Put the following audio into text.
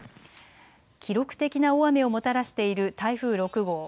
記録的な大雨をもたらしている台風６号。